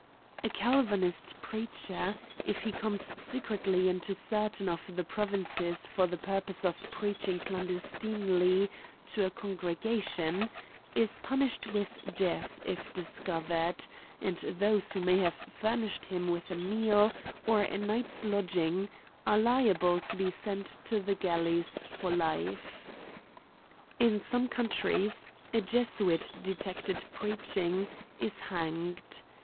A CALVANIST preacher, if he comes se cretly into certain of the provinces for the purpose of preaching clandestinely to a congregation, is punished with death, if discovered ; and those who may have furnished him with a meal, or a nights lodging, are liable to be sent to the gal leys for life. In some countries, a Jesuit detected preaching, is hanged.